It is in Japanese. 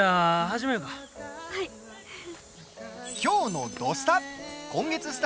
きょうの「土スタ」。